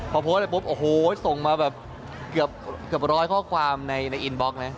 พอโพสต์ไปปุ๊บโอ้โหส่งมาแบบเกือบร้อยข้อความในอินบล็อกนะ